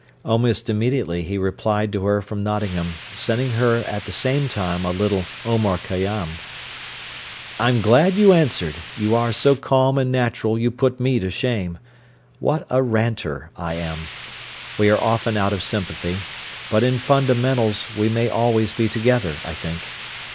Almost immediately he replied to her from Nottingham, sending her at the same time a little "Omar Khayyám." "I am glad you answered; you are so calm and natural you put me to shame. What a ranter I am! We are often out of sympathy. But in fundamentals we may always be together I think.